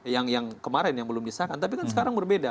yang kemarin yang belum disahkan tapi kan sekarang berbeda